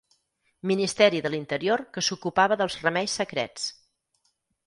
Ministeri de l'Interior que s'ocupava dels remeis secrets.